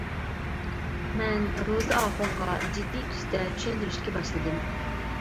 مەن روزى ئاخۇنغا جىددىي تۈستە چۈشەندۈرۈشكە باشلىدىم.